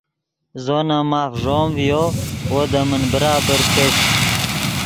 زو نے ماف ݱوم ڤیو وو دے من برابر چش